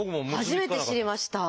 初めて知りました。